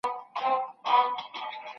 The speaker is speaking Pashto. لټوم بایللی هوښ مي ستا د کلي په کوڅو کي